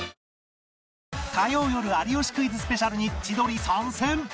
火曜よる『有吉クイズ』スペシャルに千鳥参戦！